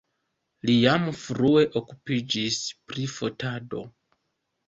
Li jam frue okupiĝis pri fotado.